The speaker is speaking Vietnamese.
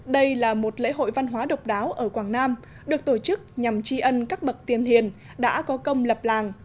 đây là một lễ hội văn hóa độc đáo ở quảng nam được tổ chức nhằm tri ân các bậc tiền hiền đã có công lập làng